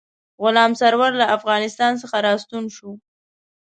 غلام سرور له افغانستان څخه را ستون شو.